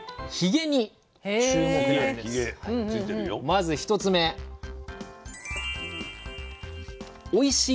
まず１つ目おいしい